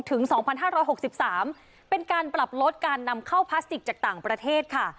ถึงสองพันห้าร้อยหกสิบสามเป็นการปรับลดการนำเข้าพลาสติกจากต่างประเทศค่ะ